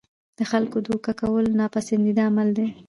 د خلکو دوکه کول ناپسندیده عمل دی.